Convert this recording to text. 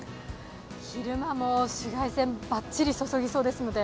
昼間も紫外線ばっちり注ぎそうですので。